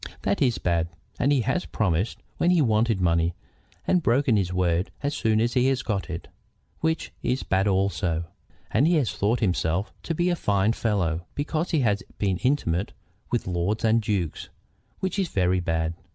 That is bad. And he has promised when he wanted money, and broken his word as soon as he had got it, which is bad also. And he has thought himself to be a fine fellow because he has been intimate with lords and dukes, which is very bad.